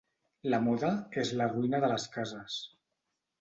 La moda és la ruïna de les cases.